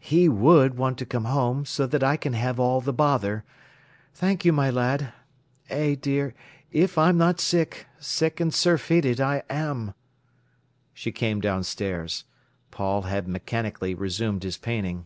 "He would want to come home, so that I can have all the bother. Thank you, my lad. Eh, dear, if I'm not sick—sick and surfeited, I am!" She came downstairs. Paul had mechanically resumed his painting.